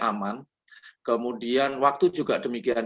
aman kemudian waktu juga demikian